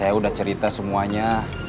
saya sudah cerita semuanya